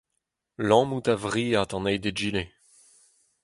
lammout a-vriad an eil d'egile